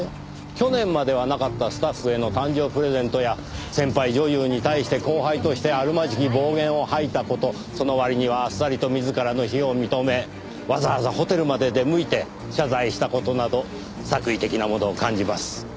去年まではなかったスタッフへの誕生日プレゼントや先輩女優に対して後輩としてあるまじき暴言を吐いた事その割にはあっさりと自らの非を認めわざわざホテルまで出向いて謝罪した事など作為的なものを感じます。